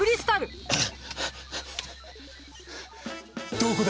どこだ？